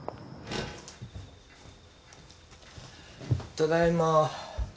ただいま。